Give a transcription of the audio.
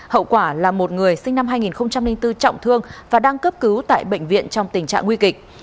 hậu quả là một người sinh năm hai nghìn bốn trọng thương và đang cấp cứu tại bệnh viện trong tình trạng nguy kịch